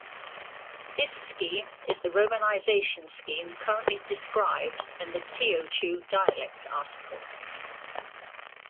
This scheme is the romanization scheme currently described in the Teochew dialect article.